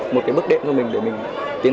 một cái bước đệm cho mình để mình tiến